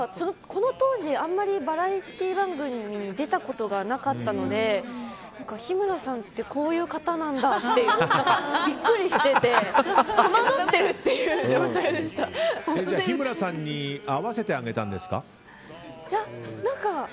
この当時あんまりバラエティー番組に出たことがなかったので日村さんってこういう方なんだってビックリしてて日村さんに合わせてあげたんですか？